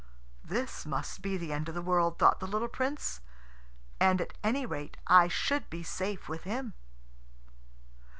"This must be the end of the world," thought the little Prince; "and at any rate I should be safe with him."